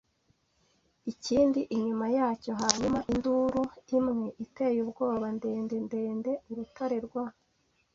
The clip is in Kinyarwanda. ikindi inyuma yacyo; hanyuma induru imwe iteye ubwoba, ndende-ndende. Urutare rwa